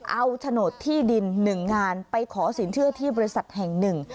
เอาโฉนดที่ดิน๑งานไปขอสินเชื่อที่บริษัทแห่งหนึ่ง